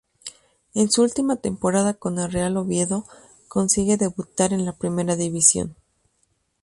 En su última temporada con el Real Oviedo consigue debutar en la Primera División.